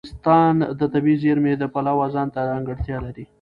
افغانستان د طبیعي زیرمې د پلوه ځانته ځانګړتیا لري.